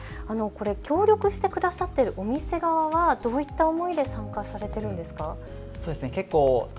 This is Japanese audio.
協力して下さってるお店側はどういった思いで参加されているんですか。